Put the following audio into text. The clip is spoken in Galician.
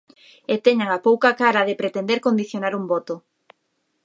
E teñen a pouca cara de pretender condicionar un voto.